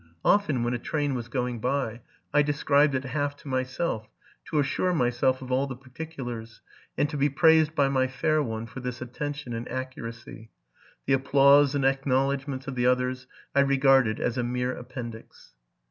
Often when a train was going by, I deseribed it half aloud to myself, to assure myself of all the particulars, and to be praised by my fair one for this attention and accuracy: the applause and acknowledgments of the others I regarded as a mere appendix.